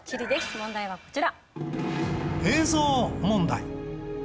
問題はこちら。